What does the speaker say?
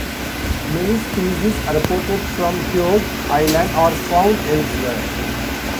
Many species reported from Heard Island are found elsewhere.